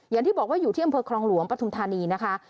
อย่างที่บอกว่าอยู่ที่อำเภอครองหลวงปฐุมธานีนะคะ